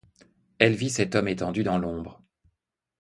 Elle vit cet homme étendu dans l'ombre.